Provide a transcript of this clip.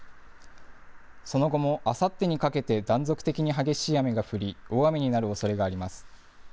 その後も、あさってにかけて、断続的に激しい雨が降り、大雨になるおそれがあります。